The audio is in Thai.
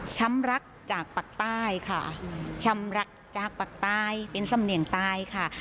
ช้ำรักจากปากใต้ค่ะชำรักจากปากใต้เป็นสำเนียงตายค่ะ